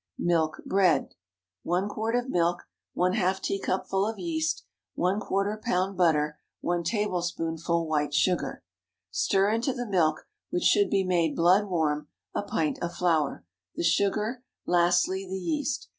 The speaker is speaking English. MILK BREAD. 1 quart of milk. ½ teacupful of yeast. ¼ lb. butter, one tablespoonful white sugar. Stir into the milk, which should be made blood warm, a pint of flour, the sugar, lastly the yeast.